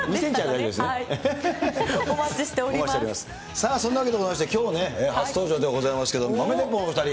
さあ、そんなわけでございまして、きょうね、初登場でございますけれども、豆鉄砲のお２人。